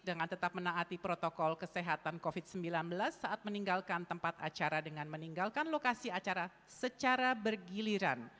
dengan tetap menaati protokol kesehatan covid sembilan belas saat meninggalkan tempat acara dengan meninggalkan lokasi acara secara bergiliran